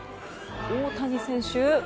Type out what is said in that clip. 大谷選手